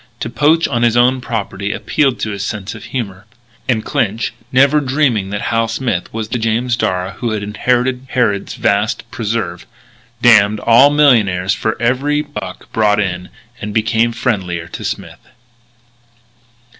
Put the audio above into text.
To poach on his own property appealed to his sense of humour. And Clinch, never dreaming that Hal Smith was the James Darragh who had inherited Harrod's vast preserve, damned all millionaires for every buck brought in, and became friendlier to Smith.